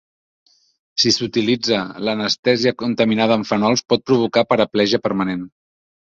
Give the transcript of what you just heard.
Si s"utilitza, l"anestèsia contaminada amb fenols pot provocar paraplegia permanent.